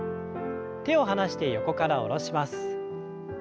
手を離して横から下ろします。